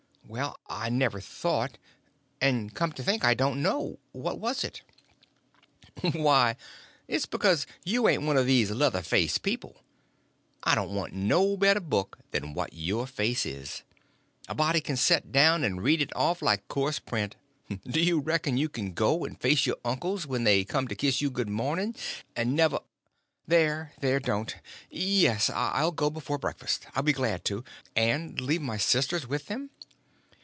"Well, I never thought—and come to think, I don't know. What was it?" "Why, it's because you ain't one of these leather face people. I don't want no better book than what your face is. A body can set down and read it off like coarse print. Do you reckon you can go and face your uncles when they come to kiss you good morning, and never—" "There, there, don't! Yes, I'll go before breakfast—I'll be glad to. And leave my sisters with them?"